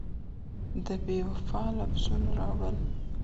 د بېوفا لفظونه راوړل